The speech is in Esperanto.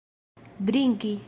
drinki